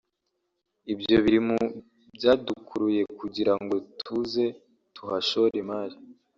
ibyo biri mu byadukuruye kugira ngo tuze tuhashore imari